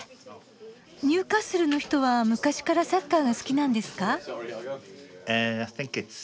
ニューカッスルの人は昔からサッカーが好きなんですか？